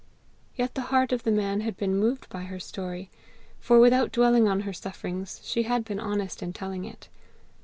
Yet the heart of the man had been moved by her story, for, without dwelling on her sufferings, she had been honest in telling it.